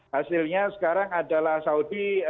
hasilnya sekarang adalah saudi